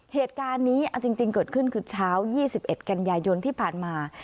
เหตุการณ์นี้เอาจริงเกิดขึ้นคือเช้า๒๑กันยายนที่ผ่านมา